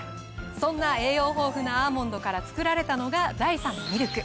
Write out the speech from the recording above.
そんな栄養豊富なアーモンドから作られたのが。